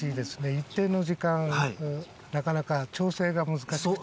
一定の時間、なかなか調整が難しくて。